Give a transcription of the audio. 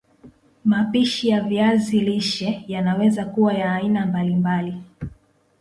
Mapishi ya viazi lishe yanaweza kuwa ya aina mbali mbal